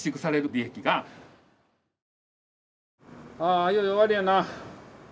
ああ、いよいよ終わりやな。